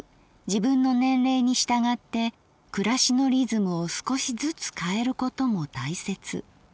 自分の年齢に従って暮しのリズムを少しずつ変えることも大切。